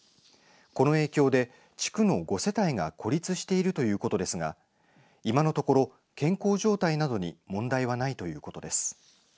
この影響で地区の５世帯が孤立しているということですが今のところ健康状態などに問題はないということです。